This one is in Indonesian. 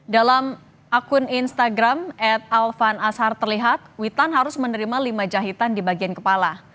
dalam akun instagram at alfan ashar terlihat witan harus menerima lima jahitan di bagian kepala